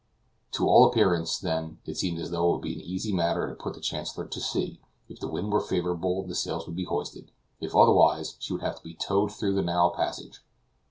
To all appearance, then, it seemed as though it would be an easy matter to put the Chancellor to sea; if the wind were favorable the sails would be hoisted; if otherwise, she would have to be towed through the narrow passage.